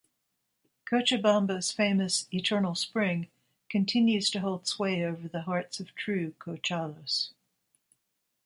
Cochabamba's famous "Eternal Spring" continues to hold sway over the hearts of true Cochalos.